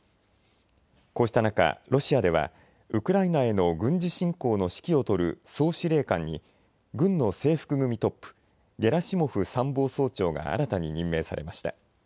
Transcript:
こうした中、ロシアではウクライナへの軍事侵攻の指揮を執る総司令官に軍の制服組トップ、ゲラシモフ参謀総長が新たに任命されました。